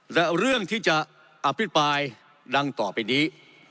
และเรื่องที่จะอภิปรายดังต่อไปนี้